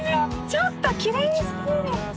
ちょっときれいすぎる！